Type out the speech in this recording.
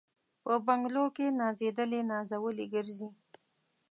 په بنګلو کي نازېدلي نازولي ګرځي